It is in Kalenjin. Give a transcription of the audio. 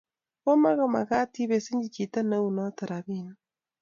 komkomagat ibesenchi chito neu notok rabinik